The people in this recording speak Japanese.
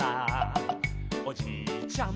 「おじいちゃん